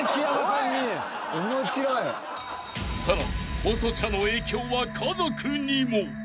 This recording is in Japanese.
［さらに細シャの影響は家族にも］